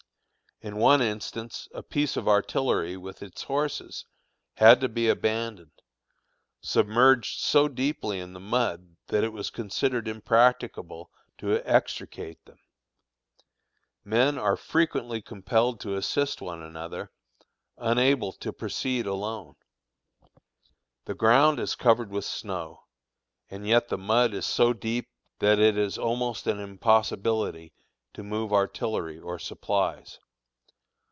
In one instance a piece of artillery with its horses had to be abandoned, submerged so deeply in the mud that it was considered impracticable to extricate them. Men are frequently compelled to assist one another, unable to proceed alone. The ground is covered with snow, and yet the mud is so deep that it is almost an impossibility to move artillery or supplies.